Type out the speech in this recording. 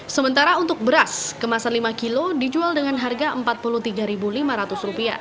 sementara untuk beras kemasan lima kilo dijual dengan harga empat puluh tiga ribu